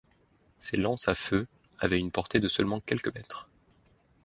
Ces lances à feu avaient une portée de seulement quelques mètres.